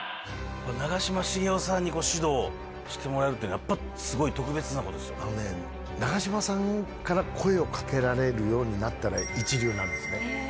これ、長嶋茂雄さんにご指導してもらえるというのは、やっぱすごい特別あのね、長嶋さんから声をかけられるようになったら、一流なんですね。